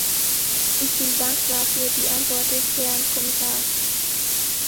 Ich bin dankbar für die Antwort des Herrn Kommissars.